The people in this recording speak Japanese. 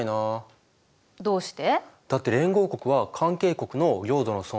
どうして？